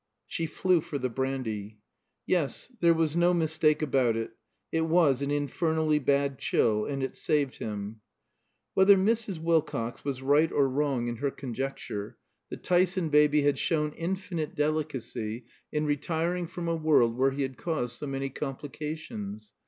She flew for the brandy. Yes; there was no mistake about it. It was an infernally bad chill, and it saved him. Whether Mrs. Wilcox was right or wrong in her conjecture, the Tyson baby had shown infinite delicacy in retiring from a world where he had caused so many complications.